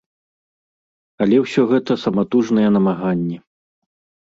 Але ўсё гэта саматужныя намаганні.